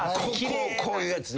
こういうやつね。